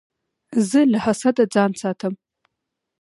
زه له حسده ځان ساتم.